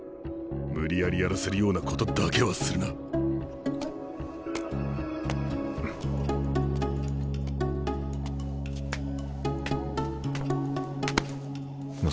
無理やりやらせるようなことだけはするな！望。